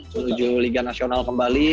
menuju liga nasional kembali